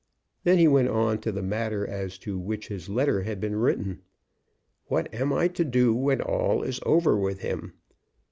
Then he went on to the matter as to which his letter had been written. "What am I to do when all is over with him?